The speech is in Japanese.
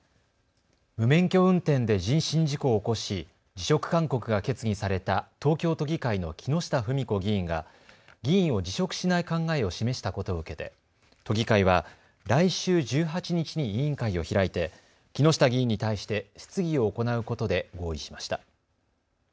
無免許運転で人身事故を起こし辞職勧告が決議された東京都議会の木下富美子議員が議員を辞職しない考えを示したことを受けて都議会は来週１８日に委員会を開いて木下議員に対して質疑を行うことで合意しました。